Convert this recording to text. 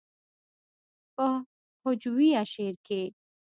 پۀ هجويه شعر کښې